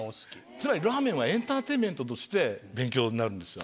つまりラーメンはエンターテインメントとして勉強になるんですよ。